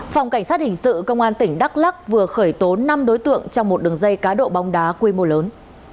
phòng cảnh sát hình sự công an tỉnh đắk lắc vừa khởi tố năm đối tượng trong một đường dây cá độ bóng đá quy mô lớn